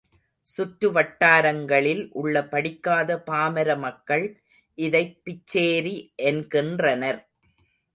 சுற்று வட்டாரங்களில் உள்ள படிக்காத பாமர மக்கள் இதைப் பிச்சேரி என்கின்றனர்.